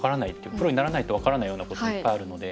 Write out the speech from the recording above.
プロにならないと分からないようなこといっぱいあるので。